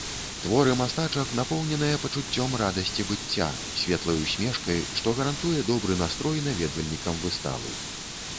Творы мастачак напоўненыя пачуццём радасці быцця, светлай усмешкай, што гарантуе добры настрой наведвальнікам выставы.